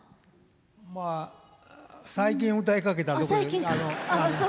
まあ、最近歌いかけたとこです。